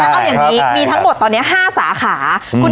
ใช่ครับเอาอย่างงี้มีทั้งหมดตอนนี้ห้าสาขาอืม